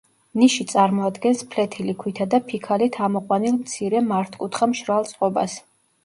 ნიში წარმოადგენს ფლეთილი ქვითა და ფიქალით ამოყვანილ მცირე მართკუთხა მშრალ წყობას.